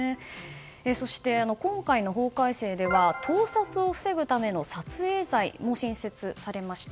そして今回の法改正では盗撮を防ぐための撮影罪も新設されました。